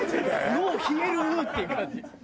脳冷えるっていう感じ。